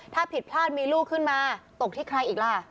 ถ้าผิดพลาดมีลูกขึ้นมาตกที่ใครอีกล่ะ